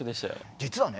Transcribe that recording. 実はね